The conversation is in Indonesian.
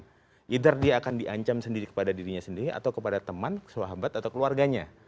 either dia akan diancam sendiri kepada dirinya sendiri atau kepada teman sahabat atau keluarganya